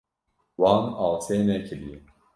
Wan asê nekiriye.